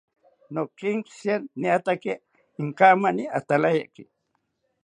Nokenkishiria niataki inkamani atarayaki